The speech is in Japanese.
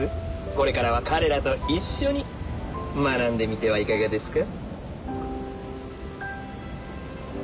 これからは彼らと一緒に学んでみてはいかがですか？